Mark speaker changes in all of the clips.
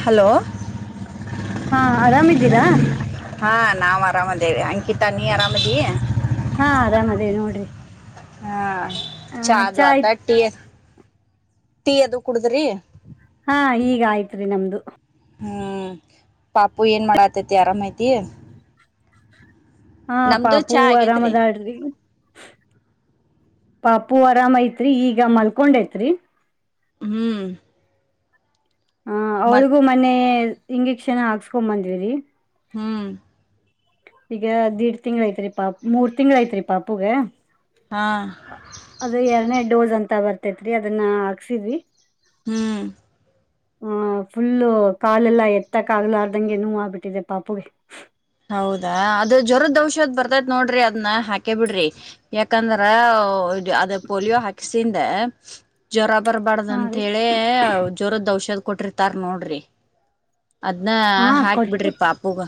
Speaker 1: Hello
Speaker 2: ಹಾ ಆರಾಮ ಇದೀರಾ.
Speaker 1: ಹಾ ನಾವು ಆರಾಮದೇವೆ ಅಂಕಿತಾ ನೀ ಆರಾಮದೀ.
Speaker 2: ಹಾ ಆರಾಮ ಅದೆ ನೋಡ್ರಿ.
Speaker 1: ಹಾ
Speaker 2: ಆ
Speaker 1: ಚಾದು
Speaker 2: ಚಾ
Speaker 1: ಆತ
Speaker 2: ಆಯ್ತ್
Speaker 1: ಹಟ್ಟಿ. ಟೀ ಅದು ಕುಡದ್ರಿ.
Speaker 2: ಹಾ ಈಗ ಆಯ್ತ್ರಿ ನಮ್ದು.
Speaker 1: ಹ್ಮ್ ಪಾಪು ಏನ್ ಮಾಡಾತತಿ ಆರಾಮೈತಿ.
Speaker 2: ಹಾ ಪಾಪು ಆರಾಮ
Speaker 1: ಆಗೇತ್ರಿ
Speaker 2: ಅದಾಳ್ರಿ. ಪಾಪು ಆರಾಮೈತ್ರಿ ಈಗ ಮಲ್ಕೊಂಡೈತ್ರಿ.
Speaker 1: ಹ್ಮು
Speaker 2: ಹ ಅವಳಿಗೂ ಮನ್ನೆ ಇಂಜೆಕ್ಷನ್ ಹಾಕ್ಸ್ಕೊ ಬಂದಿವಿರಿ.
Speaker 1: ಹ್ಮು
Speaker 2: ಈಗ ದೀಡ್ ತಿಂಗಳ ಆಯ್ತ್ರಿ ಪಾಪ್ ಮೂರ್ ತಿಂಗಳ ಐತ್ರಿ ಪಾಪುಗ.
Speaker 1: ಹಾ
Speaker 2: ಆ ಅದು ಎರಡ್ನೇ ಡೋಸ್ ಅಂತ ಬರ್ತೇತ್ರಿ ಅದನ್ನ ಹಾಕ್ಸಿದ್ವಿ.
Speaker 1: ಹ್ಮು
Speaker 2: ಹ ಫುಲ್ಲು ಕಾಲೆಲ್ಲಾ ಎತ್ತಕ್ ಆಗ್ಲಾರ್ದಂಗೆ ನೋವ್ ಆಗ್ಬಿಟ್ಟಿದೆ ಪಾಪುಗೆ.
Speaker 1: ಹೌದಾ ಅದುದ್ ಜ್ವರದ್ ಔಷಧ ಬರ್ತೈತ್ ನೋಡ್ರಿ ಅದ್ನ್ ಹಾಕೆ ಬಿಡ್ರಿ ಯಾಕಂದ್ರಾ [unintelligible] ಆದೆ ಪೋಲಿಯೋ ಹ್ಯಾಕ್ಸಿನ್. ದೆ ಜ್ವರ ಬರ್ಬಾರ್ದ
Speaker 2: ಹಾ
Speaker 1: ಅಂತ
Speaker 2: ರೀ
Speaker 1: ಹೇಳೆ ಜೋರದ್ ಔಷದ್ ಕೊಟ್ಟಿರ್ತಾರ ನೋಡ್ರಿ. ಅದ್ನ
Speaker 2: ಹಾ
Speaker 1: ಹಾಕಿ
Speaker 2: ಕೊಟ್ಟ
Speaker 1: ಬಿಡ್ರಿ ಪಾಪುಗ.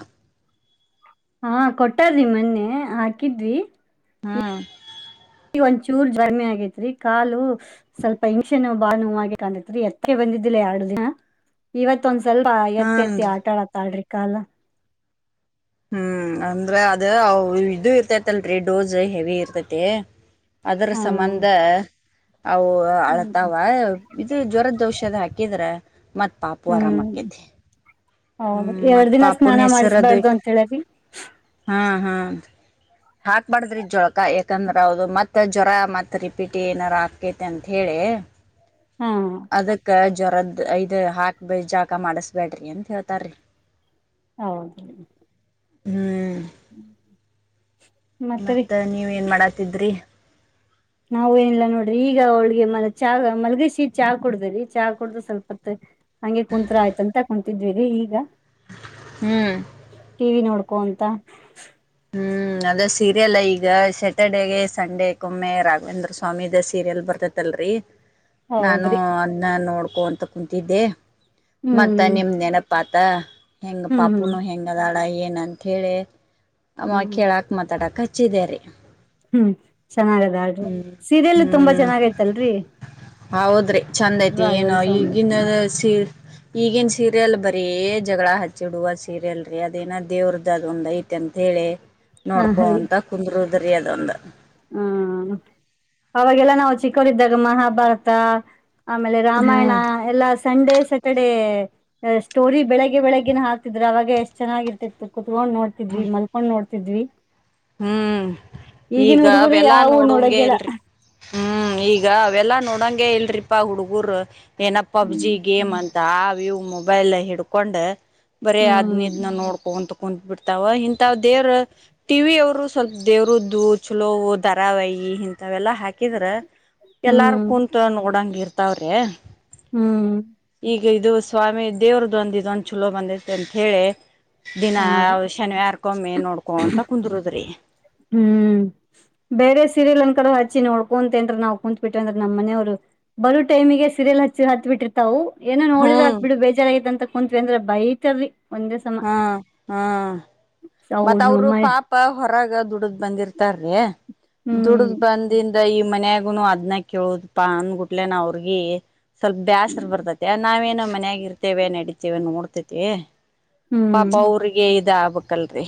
Speaker 2: ಹಾ ಕೊಟ್ಟಾರಿ ಮೊನ್ನೆ ಹಾಕಿದ್ವಿ.
Speaker 1: ಹ
Speaker 2: ಒಂಚೂರ್ ಜ್ವರ್ಮಿ ಆಗೈತ್ರಿ ಕಾಲು ಸ್ವಲ್ಪ ಇಂಜಿಕ್ಷನ್ ಬಾಳ್ ನೋವು ಆಗೆ ಕಾಣತೈತ್ರಿ ಅದಕ್ಕೆ ಬಂದಿದ್ದಿಲ್ಲ ಯಾಡ್ ದಿನ ಇವತ್ತ ಒಂದ್ ಸ್ವಲ್ ಸ್ವಲ್ಪ ಎತ್ತಿ ಎತ್ತಿ
Speaker 1: ಹಾನ್ರಿ
Speaker 2: ಆಟ ಆಡ್ತಾಳ್ರೀ. ಕಾಲ
Speaker 1: ಹ್ಮು ಅಂದ್ರ ಅದ ಅವ್ ಇದು ಇರ್ತೈತಲ್ರಿ ಡೋಸ್ ಹೆವಿ ಇರ್ತೈತಿ. ಅದರ
Speaker 2: ಹ್ಮ್
Speaker 1: ಸಂಬಂಧ ಅವು ಅಳತಾವ ಇದು ಜ್ವರದ ಔಷದ ಹಾಕಿದ್ರ ಮತ್ ಪಾಪು ಆರಾಮ ಆಕ್ಕೇತಿ.
Speaker 2: ಹೌದ ಎರಡ್ ದಿನ ಸ್ನಾನ ಮಾಡಿಸಬಾರ್ದು
Speaker 1: ಇಟ್ರ
Speaker 2: ಅಂತ ಹೇಳ್ಯಾರಿ
Speaker 1: ಹಾ ಹಾ ಹಾಕ್ಬಾರಡ್ದ್ರಿ ಜಳಕ ಯಾಕಂದ್ರ ಹೌದು ಮತ್ತ್ ಜ್ವರ ಮತ್ ರಿಪೀಟ್ ಏನಾರ ಆಕೇತಿ ಅಂತ ಹೇಳಿ
Speaker 2: ಹಾ
Speaker 1: ಅದಕ್ಕ ಜ್ವರದ ಐದ್ ಹಾಕ್ ಜಳಕ ಮಾಡಿಸಬ್ಯಾಡ್ರಿ ಅಂತ ಹೇಳ್ತಾರಿ
Speaker 2: ಹೌದು
Speaker 1: ಹ್ಮ್
Speaker 2: ಹ್ಮ್
Speaker 1: ಮತ್ತ ನೀವ ಏನ್ ಮಾಡಾತಿದ್ರಿ
Speaker 2: ನಾವು ಏನಿಲ್ಲ ನೋಡ್ರಿ ಈಗ ಅವಳಿಗೆ ಮ ಚ ಮಲ್ಗಸಿ ಚಾ ಕುಡ್ದ್ರರಿ ಚಾ ಕುಡ್ದ್ರ ಸ್ವಲ್ಪತ್. ಹಂಗೆ ಕುಂತ್ರ ಆಯತ ಅಂತ ಕುಂತೆ. ಇದ್ವಿರಿ ಈಗ
Speaker 1: ಹ್ಮ್
Speaker 2: ಕುಂತ
Speaker 1: ಹ್ಮ್ ಅದ ಸೀರಿಯಲ್ ಈಗ ಸ್ಯಾಟರ್ಡಗೆ ಸಂಡೆಕ್ಕಮ್ಮೆ ರಾಘವೇಂದ್ರ ಸ್ವಾಮಿ ದ ಸೀರಿಯಲ್ ಬರ್ತತ್ಲ್ರರಿ. ನಾನು
Speaker 2: ಹೌದ್ರಿ
Speaker 1: ಅದನ್ನ ನೋಡ. ನೋಡ್ಕೊಂತ ಕುಂತಿದ್ದೆ ಮತ್ತ
Speaker 2: ಹ್ಮ್
Speaker 1: ನಿಮ್ ನೆನಪಾ ಆಯ್ತು ಹೆಂಗ
Speaker 2: ಹ್ಮ್
Speaker 1: ಪಾಪುನು ಹೆಂಗ ಅದಾಳ ಏನ ಅಂಂತ ಹೇಳಿ ಅವ
Speaker 2: ಹ್ಮ್ ಹ್ಮ್.
Speaker 1: ಕೇಳಾಕ್ ಮಾತಾಡಾಕ್. ಹಚ್ಚಿದೇರೆ
Speaker 2: ಹ್ಮ್ ಚೆನ್ನಾಗದ ಅದು ಸೀರೆಯಾಲೂ ತುಂಬಾ
Speaker 1: ಹ್ಮ್
Speaker 2: ಚೆನ್ನಾಗೈತಲ್ರರಿ.
Speaker 1: ಹೌದ್ರಿ ಚಂದ ಐತಿ ಏನೋ
Speaker 2: ರಾಘವೇಂದ್ರ ಸ್ವಾಮಿ
Speaker 1: ಈಗಿನ ಸೀರಿಯಲ್. ಈಗನ್ ಸೀರಿಯಲ್ ಬರೀ ಜಗಳ ಹಚ್ಚಿಡುವ ಸೀರಿಯಲ್ ರರಿ ಅದೇನ ದೇವ್ರದ್ದ ಅದ ಒಂದ್ ಐತೆ ಅಂತ. ಹೇಳಿ.
Speaker 2: ಹ ರೀ
Speaker 1: ನೋಡ್ಕೊಂತ ಕುಂದ್ರೋದ. ಬರಿ ಅದೊಂದ.
Speaker 2: ಹ್ಮ ಅವಾಗೆಲ್ಲ ನಾವು ಚಿಕ್ಕವರಿದ್ದಾಗ ಮಹಾಭಾರತ. ಆಮೇಲೆ ರಾಮಾಯಣ
Speaker 1: ಹ್ಮ್
Speaker 2: ಎಲ್ಲಾ ಸಂಡೇ ಸ್ಯಾಟರ್ಡೇ. ಸ್ಟೋರಿ ಬೆಳಿಗ್ಗೆ ಬೆಳಗ್ಗಿನ ಹಾಕತ್ತಿದ್ರ ಅವಾಗೆ ಎಷ್ಟ ಚೆನ್ನಾಗಿರ್ತಿತ್ತು. ಕುಂತಕೊಂಡ ನೋತಿದ್ವಿ ಮಲ್ಕೊಂಡ ನೋಡ್ತೀವಿ. ಇದ್ವಿ.
Speaker 1: ಹ್ಮ್ ಈಗ ದೆಲ್ಲ
Speaker 2: ಯಾವು
Speaker 1: ನೋಡಂಗೆ
Speaker 2: ನೋಡಂಗಿಲ್ಲ
Speaker 1: ಇಲ್ರಿ ಹ್ಮ್ ಈಗ ಇವೆಲ್ಲಾ ನೋಡಂಗೆ ಇಲ್ರಿಪಾ ಹುಡ್ಗ್ರು ಏನಪ್ಪಾ ಬ್ಯುಸಿ
Speaker 2: ಹ್ಮ್
Speaker 1: ಗೇಮ್ ಅನ್ ಆ ವ್ಯೂ ಮೊಬೈಲ್ ಹಿಡ್ಕೊಂಡ್ ಬರೇ ಅದ್ನ
Speaker 2: ಹ್ಮ್
Speaker 1: ಇದನ್ನ ನೋಡ್ಕೊಂತ ಕುಂತ್ ಬಿಡ್ತಾವ ಇಂಥ ದೇವ್ರ ಟಿ ವಿ ಅವರು ಸ್ವಲ್ಪ ದೇವ್ರದ್ದು ಚಲೋವು ಧಾರಾವಾಹಿ ಇಂಥವೆಲ್ಲಾ ಹಾಕಿದ್ರ ಎಲ್ಲಾರ್
Speaker 2: ಹ್ಮ್
Speaker 1: ಕುಂತ ನೋಡಂಗ ಇರ್ ತ್ತಾವ್ರೆ.
Speaker 2: ಹ್ಮ್
Speaker 1: ಈಗ ಇದು ಸ್ವಾಮಿ ದೇವ್ರದೊಂದ ಇದೊಂದು ಚಲೋ ಬಂದೈತೆ ಅಂತ ಹೇಳಿ. ದಿನ
Speaker 2: ಹಾ
Speaker 1: ಶನಿವಾರಕೊಮ್ಮೆ ನೋಡ್ಕೊಂತ ಕುರುದ್ರಿ.
Speaker 2: ಹ್ಮ್ ಬೇರೆ ಸೀರಿಯಲ್ ಅನ್ ಕಡ ಹಚ್ಚಿ ನೋಡ್ಕೊಂತ ಅಂದ್ರ ನಾವು ಕುಂತ್ ಬಿಟ್ಟವ್ ಅಂದ್ರ ನಮ್ಮ ಮನೆಯವ್ರು ಬರೋ ಟೈಮಿಗೆ ಸೀರಿಯಲ್ ಹಚ್ಚಿ ಹತ್ ಬಿಟ್ಟಿರ್ತಾವು ಏನೋ ನೋಡಿದ್ರ
Speaker 1: ಹ್ಮ್
Speaker 2: ಅತ್ ಬಿಡು ಬೇಜಾರ ಆಗೈತಿ ಅಂತ ಕುಂತ್ವಿ ಅಂದ್ರ ಬೈತವಿ
Speaker 1: ಹ್ಮ್ ಹ್ಮ್ ಮತ್ತ
Speaker 2: ಹೌದ್
Speaker 1: ಅವರು
Speaker 2: ನಮ್ಮ
Speaker 1: ಪಾಪ ಹೊರ ಗ ದುಡಿದ್ ಬಂದಿರ್ತಾರ್. ಅ
Speaker 2: ಹ್ಮ್
Speaker 1: ದುಡ್ದ್ ಬಂದಿನ್ ಈ ಮನ್ಯಾಗುನು ಅದ್ನ ಕೇಳುದಪಾ ಅಂದಗುಟ್ಲೆನ ಅವ್ರಗಿ ಸ್ವಲ್ಪ ಬ್ಯಾಸರು ಬರ್ತೈತೆ ನಾವೇನ ಮನ್ಯಾಗಿ ಇರ್ತೇವೆ ನಡೀತೇವೆ ನೋಡ್ತೈತಿ. ಪಾಪ
Speaker 2: ಹ್ಮ್
Speaker 1: ಅವ್ರಿಗೆ ಇದಾಬ ಕಲ್ರಿ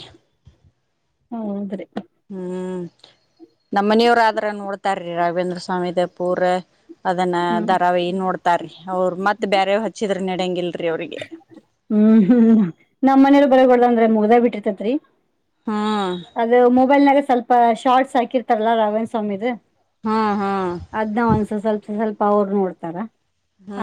Speaker 2: ಹೌದ್ರಿ
Speaker 1: ಹ್ಮ್ ನಮ್ಮನೆಯವರು ಆದ್ರ ನೋಡ್ತರ್ ಶ್ರೀ ರಾಘೇಂದ್ರ ಸ್ವಾಮಿದ ಪೂರ ಅದನ್ನ
Speaker 2: ಹ್ಮ್
Speaker 1: ದರಾವಿ ನೋಡ್ತಾರೀ ಅವ್ರ ಮತ್ತೆ ಬೇರೆವ್ ಹಚ್ಚಿದ್ರ ನೆಡಂಗಿಲ್ರಿ ಅವ್ರಿಗೆ.
Speaker 2: ನಮ್ಮನೆಲ್ ಬರಗೋಡ್ಲಂದ್ರೆ ಮುಗ್ದೆ ಬಿಟ್ಟಿರ್ತತ್ರಿ.
Speaker 1: ಹ್ಮ್
Speaker 2: ಅದು ಮೊಬೈಲ್ನಾಗ ಸ್ವಲ್ ಆ ಶಾರ್ಟ್ಸ್ ಹಾಕಿರ್ತಾರಲ್ಲಾ ರಾಘವೇಂದ್ರ ಸ್ವಾಮಿದು
Speaker 1: ಹ್ಮ್ ಹ್ಮ್
Speaker 2: ಅದನ್ನ ಒಂದ ಸಸ್ವಲ್ಪ ಸಸ್ವಲ್ಪ್ ಪ್ಪ ಅವ್ರು ನೋಡ್ತಾರ.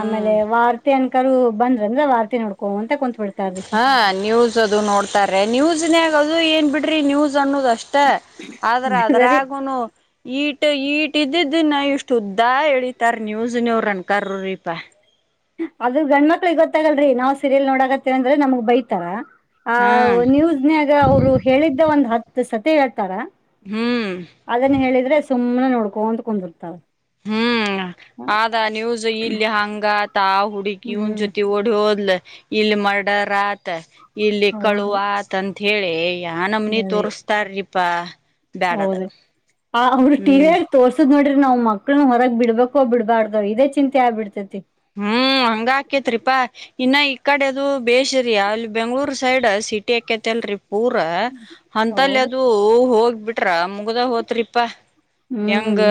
Speaker 2: ಆಮೇಲೆ ವಾರ್ತೆ ಅನ್ ಅಕ್ಕರು ಬಂದ್ರ ಅಂದ್ರ ವಾರ್ತಿ ನೋಡ್ಕೊಂತ ಕುಂತ್ ಬಿಡ್ತಾರ್ರಿ
Speaker 1: ಹಾ ನ್ಯೂಸ್ ಅದು ನೋಡ್ತಾರ್ಯ ನ್ಯೂಸ್ನ್ಯಾಗ. ಅದು ಏನ್ ಬಿಡ್ರಿ ನ್ಯೂಸ್. ಅನ್ನುದಷ್ಟ ಆದ್ರ
Speaker 2: ಸರಿ
Speaker 1: ಅದ್ರಾಗುನು. ಈಟ ಈಟ ಇದ್ದಿದ್ದ ನ ಇಷ್ಟು ಉದ್ದ ಎಳಿತಾರ ನ್ಯೂಸ್ ನವ್ರ ಆ್ಯಂಕರ್ ರಿ ಪಾ.
Speaker 2: ಅದು ಗಂಡ್ಮಕ್ಳಿಗ ಗೊತ್ತಾಗಲ್ರಿ ನಾವ್ ಸೀರಿಯಲ್ ನೋಡಕತ್ತೇವ ಅಂದ್ರ ನಮ್ಗ್ ಬೈತಾರ. ಆ
Speaker 1: ಹಾ
Speaker 2: ನ್ಯೂಸ್ ನ್ಯಾಗ ಅವ್ರು ಹೇಳಿದ್ದ ಒಂದ್ ಹತ್. ಹತ್ ಸತೆ ಹೇಳ್ತಾರಾ.
Speaker 1: ಹ್ಞ
Speaker 2: ಅದನ್ನ ಹೇಳಿದ್ರೆ ಸುಮ್. ಸುಮ್ಮನೆ ನೋಡ್ಕೊಂತ ಕುಂದರ್ತವ.
Speaker 1: ಹ್ಮ್ ಆದ ನ್ಯೂಸ್ ಇಲ್ಲಿ ಹಂಗ ಆತ್. ತಾ ಹುಡುಗಿ ಇವ್ನ
Speaker 2: ಹ್ಮ್
Speaker 1: ಜೊತಿ ಓಡಿ ಹೋದ್ಲ. ಇಲ್ ಮರ್ಡರ್ ಆತ್. ಇಲ್ಲಿ ಕಳು
Speaker 2: ಹೌದ್ರಿ
Speaker 1: ಅತಂತ್ ಹೇಳಿ ಯಾ ನಮನಿ
Speaker 2: ಬರೀ
Speaker 1: ತೋರ್ಸ್ತಾರಿಪಾ ಬ್ಯಾಡದ
Speaker 2: ಹೌದ್ರಿ
Speaker 1: ಹ್ಮ್.
Speaker 2: ನಾವು ಮಕ್ಕಳನು ಹೊರಗ್ ಬಿಡ್ಬೇಕೋ ಬಿಡ್ಬಾರ್ದಾದೊ ಇದೇ ಚಿಂತೆ ಆಗ್ಬಬಿಡ್ತೈತಿ.
Speaker 1: ಹ್ಮ್ ಹಂಗ ಆಕೇತ್ರಿಪಾ. ಇನ್ನ ಈ ಕಡೆ ಅದು ಬೆಸ್ರಿ ಅಲ್ಲಿ ಬೆಂಗ್ಳೂರ್ ಸೈಡ್ ಸಿಟಿ ಆಕೈತಿ ಅಲ್ರಿ ಊರ ಹಂತಲ್ಲಿ
Speaker 2: ಹೌದ್ರಿ
Speaker 1: ಅದು ಹೋಗ್ ಬಿಟ್ರ ಮುಗ್ದ ಹೋತ್ರಿಪಾ. ಹೆಂಗ
Speaker 2: ಹ್ಮ್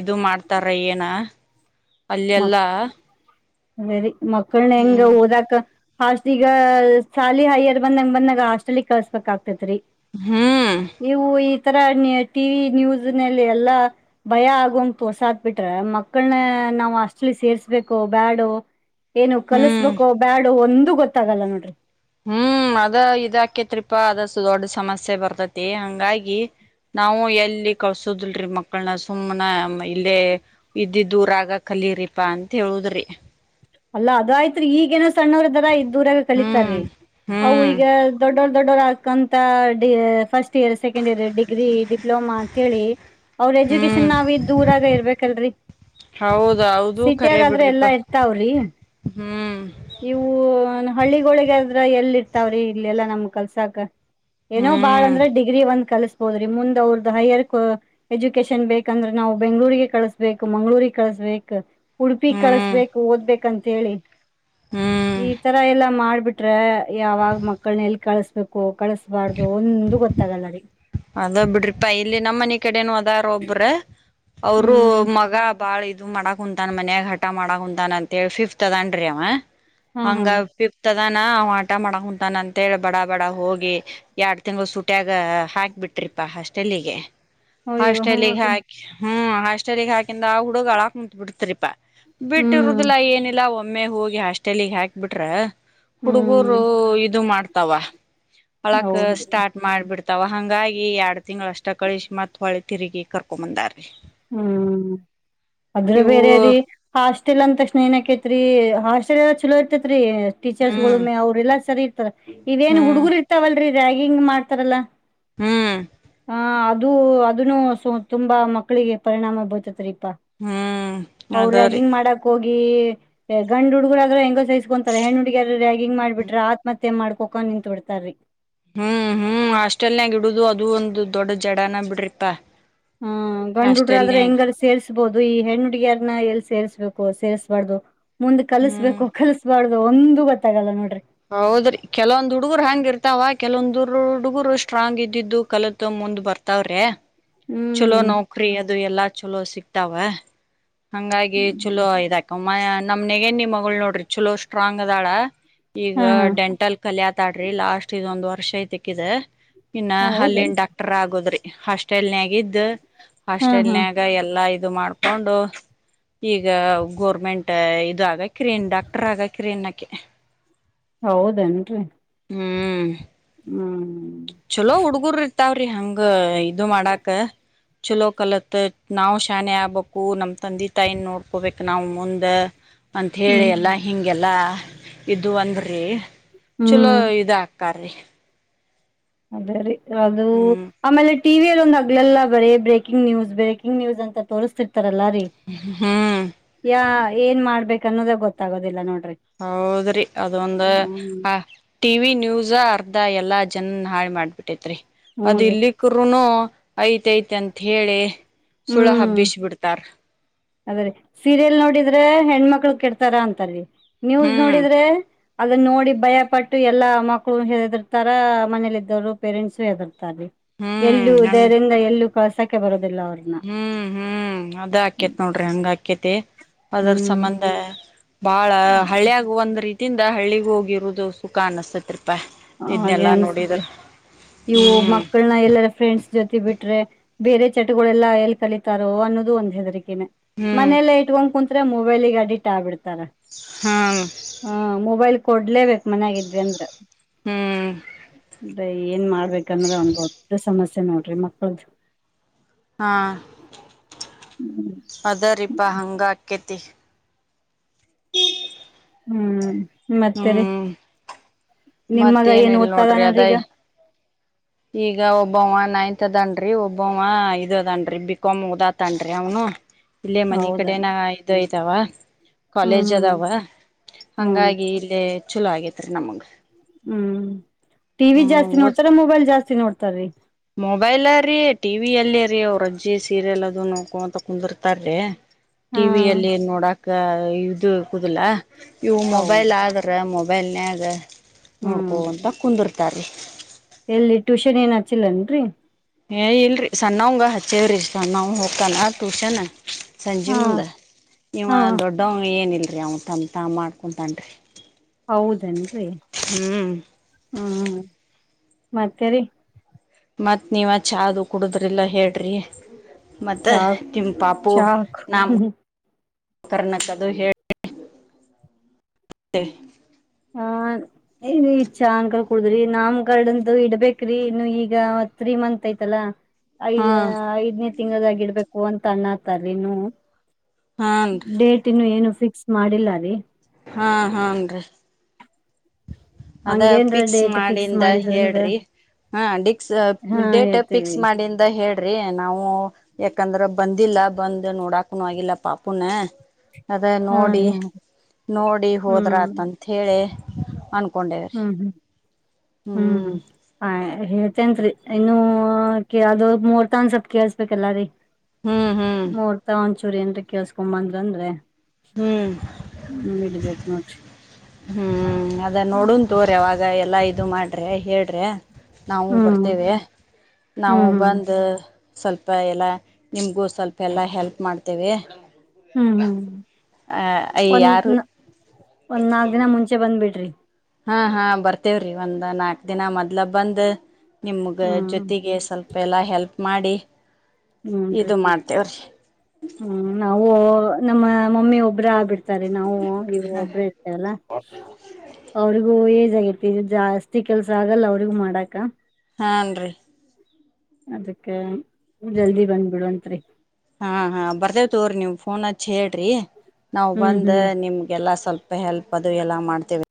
Speaker 1: ಇದು ಮಾಡ್ತ. ತರ ಏನಾ. ಅಲ್ಲೆಲ್ಲ
Speaker 2: ಅದೇರಿ. ಮಕ್ಕಳನ ಹೆಂಗ್ ಓದಕ. ಹಾಸ್ಟ್ ಈಗ ಸಾಲಿ ಹೈಯರ್ ಬಂದಂಗ ಬಂದಾಗ ಹಾಸ್ಟೆಲಿಗ ಕಳ್ಸ್ಬಬೇಕ್ ಆಗ್ತೈತ್ರಿ.
Speaker 1: ಹ್ಮ್
Speaker 2: ನೀವು ಈ. ತರ ನ್ ಟಿವಿ ನ್ಯೂಸ್ ನಲ್ಲಿ ಎಲ್ಲಾ ಭಯ ಆಗು ಹಂಗ್ ತೋರ್ಸಾಕ್ ಬಿಟ್ರ ಮಕ್ಕಳನ ನಾವ. ಹಾಸ್ಟೆಲಿಗಿ ಸೇರ್ಸ್ಬೇಕೊ ಬ್ಯಾಡೊ. ಏನು
Speaker 1: ಹ್ಮ್
Speaker 2: ಕಲಸ್ಬೇಕು ಬ್ಯಾಡೊ ಒಂದ ಒಂದು ಗೊತ್ತಾಗಲ್ಲ ನೋಡ್ರಿ.
Speaker 1: ಹ್ಮ್ ಅದ ಇದಾಕೇತ್ರಿಪಾ ಅದ. ದೊಡ್ಡ ಸಮಸ್ಯೆ ಬರ್ತತಿ ಹಂಗಾಗಿ ನಾವು ಎಲ್ಲಿ ಕಳ್ಸುದಲ್ರೀ ಮಕ್ಕಳನ ಸುಮ್ನ ಇಲ್ಲೇ ಇದ್ದಿದ್ದೂರ ಆಗ ಕಲರಿಪಾ ಅಂತ ಹೇಳುದ್ರಿ.
Speaker 2: ಅಲ್ಲ ಅದ ಆಯ್ತ್ರಿ ಈಗೇನ ಸಣ್ಣವ್ರ ಇದ್ದರ. ಇದ್ದ ಊರಾಗ
Speaker 1: ಹ್ಮ್
Speaker 2: ಕಲಿತಾರೀ ಅವು
Speaker 1: ಹ್ಮ್
Speaker 2: ಈಗ ದೊಡ್ಡೊ. ದೊಡ್ಡೋರಕಂತಡಿ first year second year degree diploma ಅಂತೇಳಿ. ಅವ್ರ
Speaker 1: ಹ್ಮ್
Speaker 2: ಎಜುಕೇಶನ್ ನಾವ ಇದ್ದ ಊರಾಗ ಇರ್ಬೇಕಲ್ರರಿ
Speaker 1: ಹೌದ ಹೌದು ಖರೆ
Speaker 2: ಸಿಟಿಯಾಗಾದ್ರೆ ಎಲ್ಲಾ
Speaker 1: ಬಿಡ್ರಿಪಾ
Speaker 2: ಇರ್ತಾವ್ರಿ ಹ
Speaker 1: ಹ್ಮ್
Speaker 2: ಇವು ನ ಹಳ್ಳಿಗೋಳಿಗೆ. ದ್ರ ಎಲ್ಲಿ ಇರ್ತಾವ್ರಿ ಇಲ್ಲ ಎಲ್ಲಾ ನಮ್ಗ ಕಲ್ಸಕ್. ಏನೋ ಬಾಳ್
Speaker 1: ಹ್ಮ್
Speaker 2: ಅಂದ್ರೆ ಡಿಗ್ರಿ ಒಂದ್ ಕಲ್ಸ. ಹೋದ್ರಿ ಮುಂದ್ ಅವ್ರದ ಹೈಯರ್ ಎಜುಕೇಶನ್ ಬೇಕಂದ್ರೆ ನಾವು ಬೆಂಗ್ಗಳೂರಿಗೆ ಕಳಸ್ಬೇಕಕ್ ಮಂಗ್ಗಳೂರಿಗೆ ಕಳಸ್ಬೇಕ. ಉಡುಪಿ
Speaker 1: ಹ್ಮ್
Speaker 2: ಕಳಸ್ಬೇಕ. ಓದ್ಬೇಕಂತ ಹೇಳಿ.
Speaker 1: ಹ್ಮ್.
Speaker 2: ಈ ತರ ಎಲ್ಲಾ ಮಾಡ್ಬ. ಬಿಟ್ರೆ ಯಾವಾಗ ಮಕ್ಕಳನ ಎಲ್ಲ ಕಳಸ್ಬೇಕು. ಕಳಸ್ಬಾರ್ದು ಒಂದು ಗೊತ್ತ. ತ್ತ ಆಗಲ್ಲ ರಿ.
Speaker 1: ಅದ ಬಿಡ್ರಿಪಾ ಇಲ್ಲಿ ನಮ್ಮ್ ಮನ ಕಡೆನು ಅದರ ಒಬ್ರ. ಅವರು
Speaker 2: ಹ್ಮ್
Speaker 1: ಮಗ ಬಾಳ ಇದ. ಇದು ಮಾಡಕ ಕುಂತಾನ ಮನ್ಯಾಗ ಹಟ ಮಾಡಕ ಕುಂತಾನ ಅಂತೇಳಿ ಫಿಫ್ತ್ ಅದನ್ ರಿ ಅವ.
Speaker 2: ಹಾ ಹಾ
Speaker 1: ಹಂಗ ಫೀಪ್ತ ಅದನ ಆಟ ಮಾಡ ಕುಂತಾನ ಅಂತೇಳಿ ಬಡ ಬಡ ಹೋಗಿ ಎರಡ್ ತಿಂಗಳು ಸುಟ್ಯಾಗ ಹಾಕ. ಬಿಟ್ರಿಪ್ಪಾ ಹಾಸ್ಟೆಲಿಗೆ.
Speaker 2: ಅಯ್ಯೋ ಹ್ಮ್
Speaker 1: ಹಾಸ್ಟೆಲಿಗೆ ಹಾಕಿ ಹ್ಮ್. ಹಾಸ್ಟಲಿಗೆ ಹಾಕಿಂದ ಆ ಹುಡುಗ ಅಳ ಕುಂತ್ಬಿಟ್ರಪ್ಪ.
Speaker 2: ಹ್ಮ್
Speaker 1: ಬಿಟ್ಟಿರುದಿಲ್ಲ ಏನಿಲ್ಲ. ಒಮ್ಮೆ ಹೋಗಿ ಹಾಸ್ಟೆಲ್ಗ್ ಹಾಕ್ಬಿಟ್ರ.
Speaker 2: ಹ್ಮ್
Speaker 1: ಹುಡುಗರು ಇದು ಮಾಡ್ತಾ. ತವಾ. ಅಳಕ
Speaker 2: ಹೌದ್ರಿ
Speaker 1: ಸ್ಟಾರ್ಟ್ ಮಾಡ್ಬಿಡ್ತವ. ತವಾ ಹಂಗಾಗಿ. ಈ ಎಡ ತಿಂಗಳ ಅಷ್ಟ ಕಳಸಿ ಮತ್ ಹೊಳೆ ತಿರುಗಿ ಕರ್ಕೊ ಬಂದಾರ್
Speaker 2: ಹ್ಮ್ ಅದರಾಗ
Speaker 1: ಇವು
Speaker 2: ಬೇರೆ ರಿ ಹಾಸ್ಟಲ್. ಅಂದ ತಕ್ಷಣ ಏನ ಆಕೈತ್ರಿ ಹಾಸ್ಟೆಲ್ ಎಲ್ಲ ಚಲೋ ಇರ್ತೆೇತ್ರಿ. ಟೀಚರ್ಸ್ ಗಳು
Speaker 1: ಹ್ಮ್
Speaker 2: ಮೇ ಅವ್ರಲ್ಲ ಸರಿ. ಇದೇನ್
Speaker 1: ಹ್ಮ್
Speaker 2: ಹುಡುಗುರ್ ಇರ್ತಾವಲ್ರಿ ರಾಗಿಂಗ್ ಮಾಡ್ತಾರಲ್ಲ
Speaker 1: ಹ್ಮ್
Speaker 2: ಹಾ ಅದು ಅದು ಅದನ್ನು ತುಂಬಾ ಮ ಮಕ್ಕಳಿಗೆ ಪರಿಣಾಮ ಬೀರ್ತೈತ್ರಿ
Speaker 1: ಹ್ಮ್
Speaker 2: ಅವರು
Speaker 1: ಅದರಿ
Speaker 2: ರ್ಯಾಗಿಂಗ್ ಮಾಡಕ್ ಹೋಗಿ. ಈ ಗಂಡ್ ಹುಡುಗುರ್ ಆದ್ರೆ ಹೆಂಗೋ ಸೈಸ್ಕೊಂತಾರೆ ಹೆಣ್ ಹುಡ್ಗಿರ್ಗ ರ್ಯಾಗಿಂಗ್ ಮಾಡಬಟ್ರೆ ಆತ್ಮ ಅತ್ತ್ ತ್ತೆ ಮಾಡ್ಕೋಕ ನಿಂತು ಬಿಡ್ತಾರೀ.
Speaker 1: ಹ್ಮ್ ಹ್ಮ್ ಅಷ್ಟೆಲ್ಲ ಯಂಗ್ ಇಡುದು ಅದು ಒಂದು. ದೊಡ್ಡ ಜಡನಾ ಬಿಡ್ರಿಪಾ.
Speaker 2: ಹಾ ಗಂಡ್ ಹುಡ್ರಾದ್ರೆ
Speaker 1: ಹಾಸ್ಟೆಲ್ನಾಗ
Speaker 2: ಹೆಂಗಾರ ಸೇರ್ಸ್ಬೋದು ಈ ಹೆಣ್ಣ್ ಹುಡ್ಗಿಯಾರನ್ನ ಎಲ್ಲಿ ಸೇರ್ಸ್ಬೇಕು. ಒ ಸೇರಿಸ್ಬಾರ್ದು. ಮುಂದೆ ಕಲ್ಸ್
Speaker 1: ಹ್ಮ್
Speaker 2: ಬೇಕೋ ಕಲ್ಸ್ಬಾರ್ದ್ ಒಂದು ಗೊತ್ತಾಗಲ್ಲ ನೋಡ್ರಿ.
Speaker 1: ಹೌದ್ರಿ ಕೆಲವೊಂದ್ ಹುಡುಗರ್ ಹಾಂಗ್ ಇರ್ತಾವ ಕೆಲವೊಂದ್ ಉರ್ರ್ ಹುಡುಗರು ಸ್ಟ್ರಾಂಗ್ ಇದ್ದಿದ್ದು ಕಲತ್ ಮುಂದ್ ಬರ್ತಾವ್ರೆ. ಚಲೋ
Speaker 2: ಹ್ಮ್
Speaker 1: ನೌಕ್ರಿ ಅದು ಎಲ್ಲಾ. ಚಲೋ ಸಿಗ್ತಾವೆ. ಹಂಗಾಗಿ ಚಲೋ ಇದಾಕಂ ಮಯಾ ನಮ್ ನನಿಗೆ ನಿಮ್ ಮಗಳು ನೋಡ್ರಿ ಚಲೋಷ್ ಸ್ಟ್ರಾಂಗ್ ಅದಾಳ. ಈಗ
Speaker 2: ಹಾ ಹಾ
Speaker 1: ಡೆಂಟಲ್ ಕಲ್ಯತಾಳ್ ಡ್ರಿ ಲಾಸ್ಟ್ ಇದೊಂದು ವರ್ಷ್ ಖುಷಿ ಐತೆಕ್ಕಿದ. ಇನ್ನ ಹಲ್ಲಿನ್
Speaker 2: ಹೌದೇನ್ರಿ
Speaker 1: ಡಾಕ್ಟರ್ ಆಗೋದ್ರಿ. ಹಾಸ್ಟೆಲ್ ನ್ಯಾಗ್ ಗ್ದ
Speaker 2: ಹಾ ಹಾ
Speaker 1: ಹಾಸ್ಟೆಲ್ನ್ಯಾಗ ಎಲ್ಲಾ ಇದು ಮಾಡ್ಕೊಂಡು. ಈಗ ಗೋರ್ಮೆಂಟ್ಟ ಇದು ಆಗಕ್ ಕ್ರೇನ್ ಡಕ್ಟರ್ ಆಗಕ್ ಕ್ರೇನ್ ಓಕೆ.
Speaker 2: ಹೌದೇನ್ರಿ.
Speaker 1: ಹ್ಮ್.
Speaker 2: ಹ್ಮ್.
Speaker 1: ಚಲೋ ಹುಡ್ಗುರ್ ಇರ್ತಾವ್ರಿ ಹಂಗ ಇದು ಮಾಡಾಕ್ ಚಲೋ ಕಲತ್ ನಾವ್ ಶಾನೆ ಆಗ್ಬೇಕು ನಮ್ ತಂದೆ ತಾಯಿನ್ ನೋಡ್ಕೊಬೇಕ್ ನಾವ್ ಮುಂದ ಅಂತ್ ಹೇಳಿ
Speaker 2: ಹ್ಮ್
Speaker 1: ಎಲ್ಲ ಹೀಂಗೆಲ್ಲ ಇದು ಅಂದ್ರ ಹೇ ಚಲೋ
Speaker 2: ಹ್ಮ್
Speaker 1: ಇದಾಗ್ ಕಾರೆ
Speaker 2: ಅದೇ ರೀ. ಅದು
Speaker 1: ಹ್ಮ್
Speaker 2: ಆಮೇಲೆ ಟಿವಿಯಲ್ಲಿ ಒಂದು ಹಗಲೆಲ್ಲ ಬರಿ ಬ್ರೇಕಿಂಗ ನ್ಯೂಸ್ ಬ್ರೇಕಿಂಗ್ ನ್ಯೂಸ್ ಅಂತ ತೋರಿಸತಿರ್ತಿ ಲ್ಲ ರೀ
Speaker 1: ಹ್ಮ್
Speaker 2: ಯ ಏನ್ ಮಾಡ್ಬೇಕು ಅನ್ನೋದ ಗೊತ್ತಾಗದಿಲ್ಲ ನೋಡಿ
Speaker 1: ಹೌದ್ರಿ ಅದೊಂದ ಆ ಟಿ ವಿ ನ್ಯೂಸ್ ಅರ್ಧ ಎಲ್ಲ ಜನ್ನನ್ ಹಾಳ್ ಮಾಡ್ಬಿಟ್ಟೈತ್ರಿ
Speaker 2: ಹ್ಮ್
Speaker 1: ಅದ್
Speaker 2: ರೀ
Speaker 1: ಇಲ್ಲಿ ಕೃನು ಐಟ್ ಅಂತ ಹೇಳಿ ಸುಳ
Speaker 2: ಹ್ಮ್
Speaker 1: ಹಬ್ಬಿಸಬಿಡ್ತಾರ
Speaker 2: ಅದ್ರೀ ಸೀರಿಯಲ್ ನೋಡಿದ್ರೆ ಹೆಣ್ಮಕ್ಳ ಕೆಡ್ತಾರ ಅಂತಾರಿ ನ್ಯೂಸ್
Speaker 1: ಹ್ಮ್
Speaker 2: ನೋಡಿದ್ರೆ ಅದನ್ನ ನೋಡಿ ಭಯ ಪಟ್ಟು ಎಲ್ಲಾ ಮಕ್ಕಳು ಹೆದಿರ್ತಾರ ಮನೇಲಿ ಇದ್ದವ್ರು ಪೇರೆಂಟ್ಸ ಹೆದರುರು
Speaker 1: ಹ್ಮ್
Speaker 2: ಎಲ್ಲು
Speaker 1: ಹಂಗ
Speaker 2: ಧೈರ್ಯದಿಂದ ಎಲ್ಲು ಕಳಸಕ್ಕೆ ಬರುತ್ತದು
Speaker 1: ಹ್ಮ್ ಹ್ಮ್ ಅದ ಆಕೇತಿ ನೋಡಿ ಹಂಗಕಿ ಕೇತೆ ಅದರ
Speaker 2: ಹ್ಮ್
Speaker 1: ಸಂಬಂಧ ಆ ಬಾಳ ಹಳ್ಳಿಯಾಗ ಒಂದ್ ರೀತಿ ಸಿಟಿಯಿಂದ ಹಳ್ಳಿಗೆ ಹೋಗಿರುವುದು ಸುಖ ಅನಿಸ್ತರ್ತ್ತ
Speaker 2: ಹಾಗೆ ಅನ್ಸತ್ರೆ ಇವು
Speaker 1: ಹ್ಮ್
Speaker 2: ಮಕ್ಕಳನ ಎಲ್ಲರ ಫ್ರೆಂಡ್ಸ್ ಜೊತೆ ಬಿಟ್ರೆ ಬೇರೆ ಚಟಗಳೆಲ್ಲ ಎಲ್ಲಿ ಕಲಿತಾರೋ ಅನ್ನೋದು ಒಂದ್ ಹೆದರಿಕ
Speaker 1: ಹ್ಮ್
Speaker 2: ಮನೆಯಲ್ಲ ಇಟ್ಕೊಂಡು ಕುಂತ್ರೆ ಮು ಮೊಬೈಲ್ ಗೆ ಅಡ್ಡಿಟ್ ಆಗ್ಬಿಡ್ತಾರೆ
Speaker 1: ಹ್ಮ್
Speaker 2: ಹಾ ಮೊಬೈಲ್ ಕೊಡ್ಲೇಬೇಕ್ ಮನೇಲಿ ಇದ್ರು ಅಂದ್ರೆ
Speaker 1: ಹ್ಮ್
Speaker 2: ಅದೇ ಏನ್ ಮಾಡ ಮಾಡ್ಬೇಕ್ಕೂ ಅನ್ನೋದೇ ದೊಡ್ಡ ಸಮಸ್ಯೆ ನೋಡ್ರಿ ಮಕ್ಕಳ್ದು
Speaker 1: ಹಾ
Speaker 2: ಹ್ಮ್
Speaker 1: ಅದ ರೀಪಾ ಹಂಗ ಅಕ್ಕೇತಿ
Speaker 2: ಹ್ಮ್ ಮತ್ತೆರಿ
Speaker 1: ಹ್ಮ್
Speaker 2: ನಿಮ್ಮಗ
Speaker 1: ಮತ್ತೇನು
Speaker 2: ಏನು
Speaker 1: ಇಲ್ ನೋಡ್ರಿ ಅದ
Speaker 2: ಓತಾರನ್ರೀಗ
Speaker 1: ಈಗ ಒಬ್ಬವವ ನೈನ್ತ್ದನ್ರಿ ಒಬ್ಬವ ಇದದನ್ರಿ ಬಿಕಾಾಮ್ ಉದಾತ್ನ್ಿ ಅವನು ಇಲ್ಲೇ ಮನ
Speaker 2: ಹೌದಾ
Speaker 1: ಕಡೆನ ಇ್ತ ಅಥವಾ ಕಾಲೇಜ್
Speaker 2: ಹ್ಮ್
Speaker 1: ಅದಾವ
Speaker 2: ಹ್ಮ್ ಹನ್
Speaker 1: ಹಂಗಾಗಿ ಇಲ್ಲಿ ಚಲೋ ಆಗೇತ್ ರೀ ನಮಗ್
Speaker 2: ಹ್ಮ್ ಟಿ ವಿ ಜಾಸ್ತಿ
Speaker 1: ಓದ್
Speaker 2: ನೋಡ್ತಾರ ಮೊಬೈಲ್ ಜಾಸ್ತಿ ನೋಡ್ತಾರೀ
Speaker 1: ಮೊಬೈಲ್ ರೀ ಟಿವ ಅಲ್ಲಿರೀ ಅಜ್ವ್ರ ಅಜ್ಜಿ ಸೀರಿಯಲ್ ಅದು ನೋಕೋ ಅಂತ ಕುಂದರ್ತಾರೀ
Speaker 2: ಹಾ
Speaker 1: ಟಿವಿಯಲ್ಲಿ ನೋಡಕ್ ಇದು ಕೂುದಲ ಇವು ಮೊಬೈಲ್
Speaker 2: ಹೌದು
Speaker 1: ಆದಗ್ರ ಮೊಬ ಬೆನಗೆ
Speaker 2: ಹ್ಮ್
Speaker 1: ನೋಡ್ಕೋಂತ ಕುಂದರ್ ತ್ತಾರೆ
Speaker 2: ಎಲ್ಲಿ ಟ್ಯೂಷನ್ ಏನ್ ಹಚಿಲ್ಲನ್ರರಿ
Speaker 1: ಏ ಇಲ್ರರಿ ಸಣ್ಣವಂಗ ಹಚ್ಚೇವ್ರಿ ಸಣ್ಣವ ಹೋಗತಲ್ಲ ಟ್ಯೂಷನ್ ಸಂಜೀ
Speaker 2: ಹಾ
Speaker 1: ಮುಂದ ನೀವ
Speaker 2: ಹಾ
Speaker 1: ದೊಡ್ಡವ ಏನಿಲ್ ೀ ಅವನು ತ ತ ಮಾಡ್ಕೊ ತನ್ರಿ
Speaker 2: ಹೌದೇನ್ರಿ ಹ್ಮ್ ಮತ್ತರಿ
Speaker 1: ಮತ್ ನೀವ್ ಚೆಾದು ಕುಡುದ್ರಿಲ್ಲ ಹೇಳ್ರಿ ಮತ್ತೆ
Speaker 2: ಚಾಕ್
Speaker 1: ತಿಂ ಪಾಪು
Speaker 2: ಚಾಕ್
Speaker 1: ನಾಮ ಕರ್ಣ ಕದು ಹೇಳಿೆ
Speaker 2: ಹ ಇಚ್ಛಾ ಅಕಲ್ ಕುಡದ್ರಿ ನಾಮ್ ಕಾರ್ಡಂತ ಇಡ್ಬೇಕ್ರಿ ಇನ್ನು ಈಗ ತ್ರೀ ಮಂತ್ ಐ್ತಲ್ಲ ಐದ್
Speaker 1: ಹ್ಮ್
Speaker 2: ಐದ್ನ ತಿಂಗದಾಗಿ ಇಡ್ಬೇಕು ಅಂತ ಅಣ್ಣತಲ್ಲಿನು
Speaker 1: ಹಾನ್
Speaker 2: ಡೇಟನ್ನು ಏನು ಫಿಕ್ಸ್ ಮಾಡಿಲ್ಲ ರೀ
Speaker 1: ಹಾ ಹಾಂಗೀ ಅದ
Speaker 2: ಹಂಗೇನ್ರ
Speaker 1: ಫಿಕ್ಸ್
Speaker 2: ಡೇಟ್ ಫಿಕ್ಸ್
Speaker 1: ಮಾಡಿಂದ
Speaker 2: ಮಾಡಿದ್ರಂದ್ರ
Speaker 1: ಹೇಳ್ರಿ ಹಾ ಡಿಕ್ಸ್
Speaker 2: ಹಾ
Speaker 1: ಡೇಟ್ ಫಿಕ್ಸ್
Speaker 2: ಹೇಳ್ತೀವಿ
Speaker 1: ಮಾಡಿಂದ ಹೇಳ್ರಿ ನಾವು ಯಾಕಂದ್ರ ಬಂದಿಲ್ಲ ಬಂದ್ ನೋಡಾಕ್ನು ಆಗಿಲ್ಲ ಪಾಪುನ ಅದ
Speaker 2: ಹಾ
Speaker 1: ನೋಡಿ
Speaker 2: ರೀ ಹಾ
Speaker 1: ನೋಡಿ
Speaker 2: ಹ್ಮ್
Speaker 1: ಹೋದ್ರತ್ಂತ ಹೇಳಿ ಅಕೊಂಡ
Speaker 2: ಹ್ಮ್ ಹ್ಮ್ ಹ್ಮ್ ಆ ಹೇ ನ್ರಿ ಇನ್ನುೂ ಅದ ಮೂರ್ ತನ್ ಸ್ವಲ್ಪ್ ಕೇಳ್ಸ್ಬೇಕಲ್ಲ ರೀ
Speaker 1: ಹ್ಮ್ ಹ್ಮ್
Speaker 2: ಮೂರ್ತ ಒಂಚ ಸೂರ್ಯನ್ ಕೇಳ್ಸ್ಕೊ್ ಬಂದ್ರ ಅಂದ್ರೆ
Speaker 1: ಹ್ಮ್
Speaker 2: ಹ ಮಬೇಕೇಕ ಮಾಡ
Speaker 1: ಹ್ಮ್ ಅದ ನೋಡನ್ ತೋ್ರ ಅವಾಗ ಎಲ್ಲಾ ಇದು ಮಾಡ್ರಿ ಹೇಳ್ರಿ ನಾವು
Speaker 2: ಹ್ಮ್
Speaker 1: ಬರ್ತೇವೆ ನಾವು
Speaker 2: ಹ್ಮ್ ಹ್ಮ್
Speaker 1: ಬಂದ ಸ್ವಲ್ಪ ಎಲ್ಲ ನಿಮ್ಗೂ ಸ್ವಲ್ಪ ಎಲ್ಲ ಹೆಲ್ಪ್ ಮಾಡ್ತೇವೆ
Speaker 2: ಹ್ಮ್ ಹ್ಮ್
Speaker 1: ಆ ಯ ಆಾರು
Speaker 2: ಒಂದ ನಾಕಕ್ ದಿನ ಮುಂೆ ಬಂದ್ ಬಿಡ್ರಿ
Speaker 1: ಹಾ ಹಾ ಬರ್ತೇವ್ರಿ ಒಂದ್ ನಾಕ್ ದಿನ ಮೊ್ಲ ಬಂದ ನಿಮಗ
Speaker 2: ಹ್ಮ್
Speaker 1: ಜೊತೆಗೆ ಸ್ವಲ್ಪ ಎಲ್ಲ ಹೆಲ್ಪ್ ಮಾಡಿ
Speaker 2: ಹ್ಮನ್ರಿ
Speaker 1: ಇದು ಮಾಡ್ತೇವ್ರಿ
Speaker 2: ಹ್ಮ್ ನಾವು ನಮ್ಮ ಮಮ್ಮಿ ಒಬ್ಬ್ರ ಆಗ್ಬಿಡ್ು ನಾವು ಇ ಒಬ್ರ ಇರ್ತೇವಲ್ಲ ಅವ್ರಗ ತಿ ಜಾಸ್ತಿ ಕೆಲ್ಸ ಆಗಲ್ಲ ಅವ್ರಗೂ ಮಾಡಾಕ
Speaker 1: ಹಾನ್ ರೀ
Speaker 2: ಅದಕ್ಕೆ ಜಲ್ದಿ ಬಂದ್ಬಿಡು ಅತ್ರಿ
Speaker 1: ಹಾ ಹಾ ಬರ್ದೇ್ ತೋ್ರ ನೀವವು ಫೋನ್ ಹಿ ಹೇಳ್ರಿ ನಾವ್
Speaker 2: ಹ್ಮ್
Speaker 1: ಬಂದ
Speaker 2: ಹ್ಮ್.
Speaker 1: ನಿಮ್ಗೆಲ್ಲ ಸ್ವಲ್ಪ ಹೆಲ್ಪ್ ಅದು ಎಲ್ಲಾ ಮಾಡ್ತೇವೆ